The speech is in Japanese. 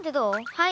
はい！